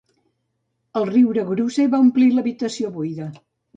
El riure grosser va omplir l'habitació buida.